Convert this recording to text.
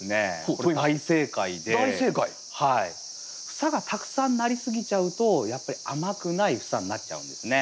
房がたくさんなりすぎちゃうとやっぱり甘くない房になっちゃうんですね。